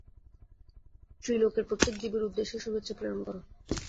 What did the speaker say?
ত্রিলোকের প্রত্যেক জীবের উদ্দেশ্যে শুভেচ্ছা প্রেরণ কর।